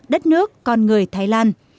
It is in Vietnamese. đất nước con người thái lan